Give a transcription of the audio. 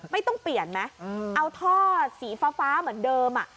ไม่ต้องเปลี่ยนไหมเอาท่อสีฟ้าเหมือนเดิม